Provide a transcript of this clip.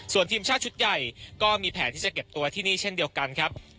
ส่วนทีมชาติชุดใหญ่ก็มีแผนที่จะเก็บตัวที่นี่เช่นเดียวกันครับ